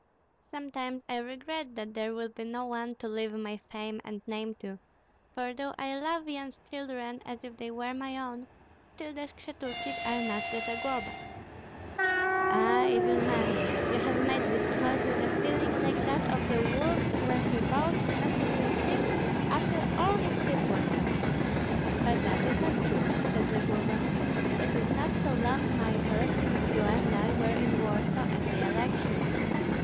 Sometimes I regret that there will be no one to leave my fame and name to; for though I love Yan's children as if they were my own, still the Skshetuskis are not the Zaglobas." "Ah, evil man! You have made this choice with a feeling like that of the wolf when he vowed not to kill sheep after all his teeth were gone." "But that is not true," said Zagloba. "It is not so long, Michael, since you and I were in Warsaw at the election.